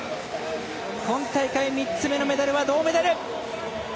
今大会、３つ目のメダルは銅メダル。